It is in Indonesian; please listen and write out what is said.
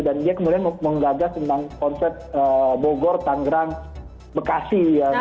dan dia kemudian menggagas tentang konsep bogor tanggerang bekasi